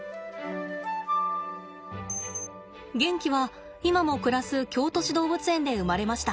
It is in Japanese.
ゲンキは今も暮らす京都市動物園で生まれました。